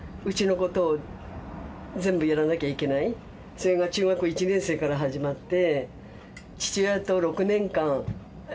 それが中学校１年生から始まって。